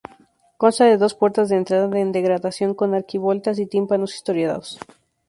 Consta de dos puertas de entrada en degradación con arquivoltas y tímpanos historiados.